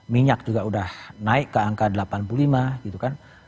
minyak juga udah naik ke angka delapan puluh lima gitu kan